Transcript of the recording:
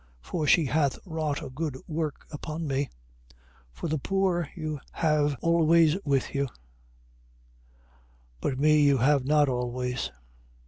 For she hath wrought a good work upon me. 26:11. For the poor you have always with you: but me you have not always.